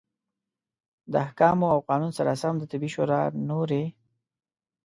د احکامو او قانون سره سم د طبي شورا نورې